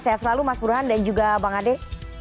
saya selalu mas buruhan dan juga bang ade